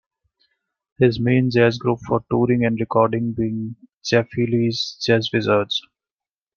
His main jazz group for touring and recording being Jeff Healey's Jazz Wizards.